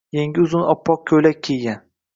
Yengi uzun oppoq ko‘ylak kiygan.